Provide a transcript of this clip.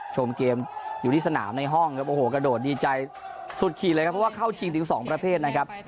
ชมเกมอยู่ที่สนามในห้องครับโอ้โหกระโดดดีใจสุดขีดเลยครับเพราะว่าเข้าชิงถึงสองประเภทนะครับ